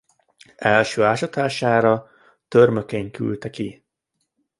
Első ásatására Tömörkény küldte ki.